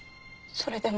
「それでも」